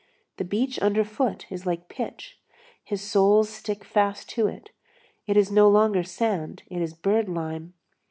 The beach under foot is like pitch; his soles stick fast to it; it is no longer sand, it is bird lime.